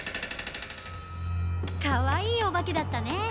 かわいいおばけだったね。